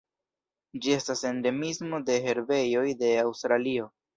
Ĝi estas endemismo de herbejoj de Aŭstralio.